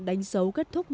đánh dấu kết thúc năm mới